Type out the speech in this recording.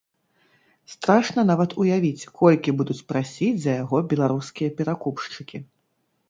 Страшна нават уявіць, колькі будуць прасіць за яго беларускія перакупшчыкі.